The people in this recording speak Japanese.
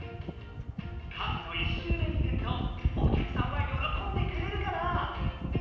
カフェの１周年イベントお客さんはよろこんでくれるかな？